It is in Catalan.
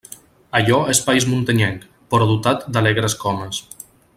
Allò és país muntanyenc, però dotat d'alegres comes.